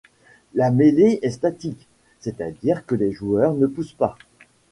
La mêlée est statique, c'est-à-dire que les joueurs ne poussent pas.